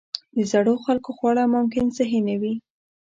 د زړو خلکو خواړه ممکن صحي نه وي.